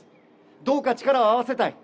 どうか力を合わせたい。